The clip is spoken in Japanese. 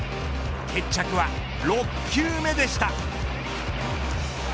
決着は６球目でした。